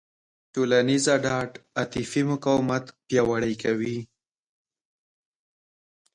ټولنیزه ډاډ عاطفي مقاومت پیاوړی کوي.